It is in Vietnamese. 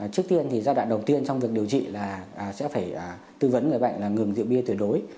trước tiên thì giai đoạn đầu tiên trong việc điều trị là sẽ phải tư vấn người bệnh là ngừng rượu bia tuyệt đối